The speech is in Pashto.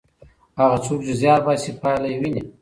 هغه څوک چې زیار باسي پایله یې ویني.